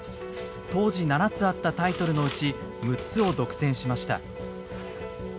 当時７つあったタイトルのうち６つを独占しました。